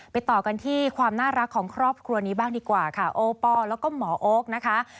ต่อกันที่ความน่ารักของครอบครัวนี้บ้างดีกว่าค่ะโอปอลแล้วก็หมอโอ๊คนะคะ